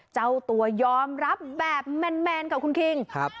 เจ้าตัวยอมรับแบบแมนกับคุณคิง